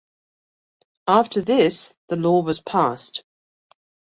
After this the law was passed.